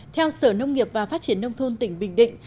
theo sở nông nghiệp và phát triển nông thôn tỉnh bình định